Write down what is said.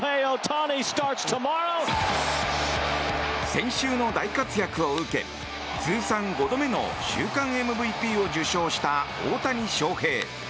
先週の大活躍を受け通算５度目の週間ＭＶＰを受賞した大谷翔平。